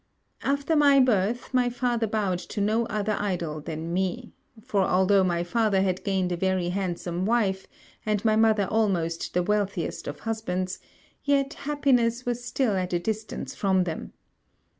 After my birth my father bowed to no other idol than me; for, although my father had gained a very handsome wife, and my mother almost the wealthiest of husbands, yet happiness was still at a distance from them.